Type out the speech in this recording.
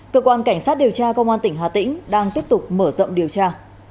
cơ quan cảnh sát điều tra công an tỉnh hà tĩnh đang tiếp tục mở rộng điều tra